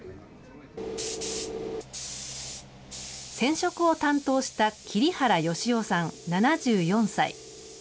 染色を担当した桐原義雄さん７４歳。